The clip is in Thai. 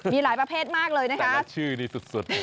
มีหลายประเภทมากเลยนะคะชื่อนี้สุด